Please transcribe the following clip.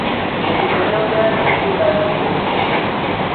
Ebyo yabyogera n’okutuula atudde ku ntebe.